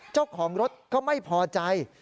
เจ้าของรถก็ไม่พอใจ